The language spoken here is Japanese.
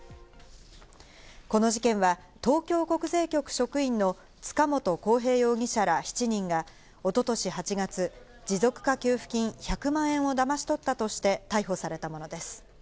この事件は東京国税局職員の塚本晃平容疑者ら７人が、一昨年８月、持続化給付金１００万円をだまし取ったとして逮捕されたものです。